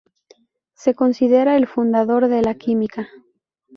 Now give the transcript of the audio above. Se considera el fundador de la química.